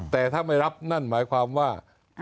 แต่ถ้าไม่รับนั่นหมายความว่า